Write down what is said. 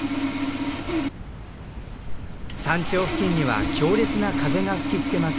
山頂付近には強烈な風が吹きつけます。